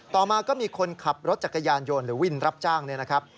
ต่อมาก็มีคนขับรถจักรยานยนต์หรือวินรับจ้างเนี่ยนะครับ